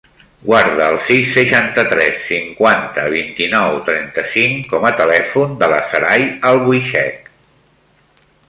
Guarda el sis, seixanta-tres, cinquanta, vint-i-nou, trenta-cinc com a telèfon de la Saray Albuixech.